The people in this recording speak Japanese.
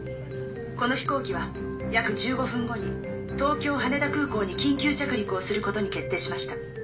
この飛行機は約１５分後に東京羽田空港に緊急着陸をすることに決定しました。